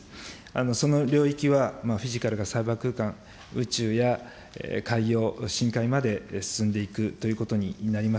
その領域はフィジカルなサイバー空間、宇宙や海洋、深海まで進んでいくということになります。